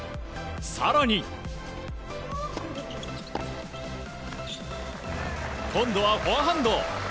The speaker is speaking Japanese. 更に今度はフォアハンド。